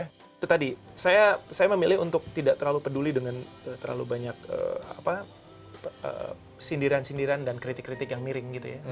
ya itu tadi saya memilih untuk tidak terlalu peduli dengan terlalu banyak sindiran sindiran dan kritik kritik yang miring gitu ya